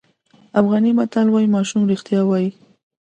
افغاني متل وایي ماشوم رښتیا وایي.